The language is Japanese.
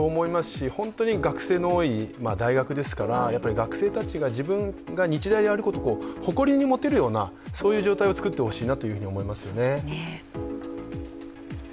本当に学生の多い大学ですから学生たちが自分が日大であることを誇りに持てるようなそういう状態を作ってほしいなと思いますよね。